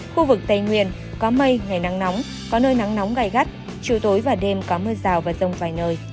khu vực tây nguyên có mây ngày nắng nóng có nơi nắng nóng gai gắt chiều tối và đêm có mưa rào và rông vài nơi